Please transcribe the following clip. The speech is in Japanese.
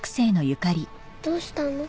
どうしたの？